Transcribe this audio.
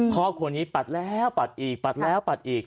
ครอบครัวนี้ปัดแล้วปัดอีกปัดแล้วปัดอีก